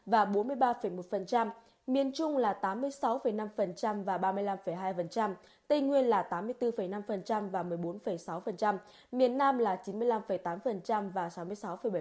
và bốn mươi ba một miền trung là tám mươi sáu năm và ba mươi năm hai tây nguyên là tám mươi bốn năm và một mươi bốn sáu miền nam là chín mươi năm tám và sáu mươi sáu bảy